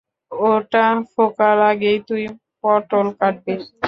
ওটা ফোকার আগেই তুই পটল কাটবি।